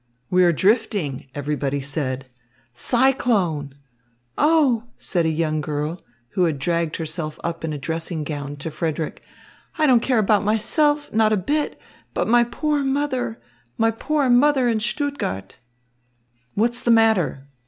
"We are drifting," everybody said. "The screw is broken." "Cyclone!" "Oh," said a young girl, who had dragged herself up in a dressing gown, to Frederick, "I don't care about myself, not a bit, but my poor mother, my poor mother in Stuttgart." "What's the matter?